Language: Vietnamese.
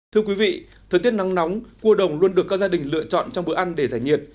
thưa quý vị thời tiết nắng nóng cua đồng luôn được các gia đình lựa chọn trong bữa ăn để giải nhiệt